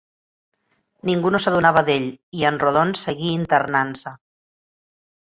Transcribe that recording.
Ningú no s'adonava d'ell, i en Rodon seguí internant-se.